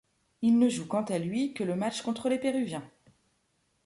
Il ne joue quant à lui que le match contre les Péruviens.